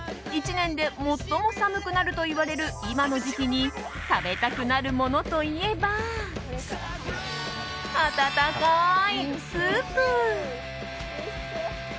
１年で最も寒くなるといわれる今の時期に食べたくなるものといえば温かいスープ。